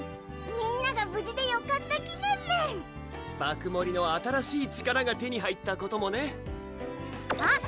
みんなが無事でよかった記念メン爆盛りの新しい力が手に入ったこともねあっ！